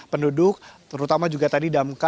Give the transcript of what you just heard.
penduduk terutama warga warga ini juga sangat padat